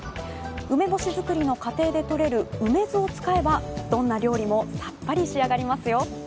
梅干し作りの過程でとれる梅酢を使えばどんな料理もさっぱり仕上がりますよ。